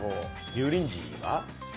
油淋鶏は？